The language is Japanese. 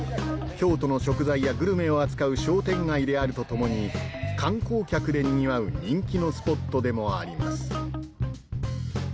京都の食材やグルメを扱う商店街であるとともに観光客でにぎわう人気のスポットでもあります